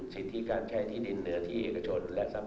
สิทธิการใช้ที่ดินเหนือที่เอกชน